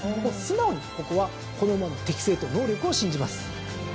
もう素直にここはこの馬の適正と能力を信じます。